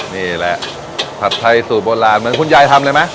นี่แหละผัดไทยสูตรโบราณเหมือนคุณยายทำเลยไหม